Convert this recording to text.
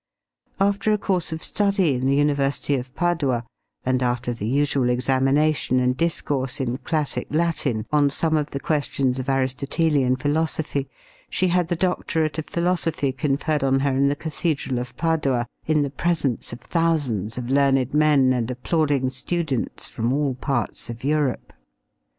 After a course of study in the University of Padua and after the usual examination and discourse in classic Latin on some of the questions of Aristotelian philosophy, she had the doctorate of philosophy conferred on her in the cathedral of Padua, in the presence of thousands of learned men and applauding students from all parts of Europe.